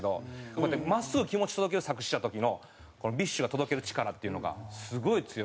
こうやって真っすぐ気持ち届ける作詞した時のＢｉＳＨが届ける力っていうのがすごい強くって。